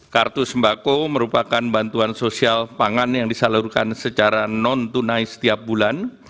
kartu sembako merupakan bantuan sosial pangan yang disalurkan secara non tunai setiap bulan